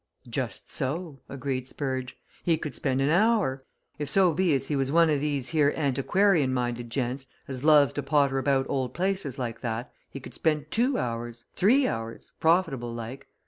"Just so," agreed Spurge. "He could spend an hour. If so be as he was one of these here antiquarian minded gents, as loves to potter about old places like that, he could spend two hours, three hours, profitable like.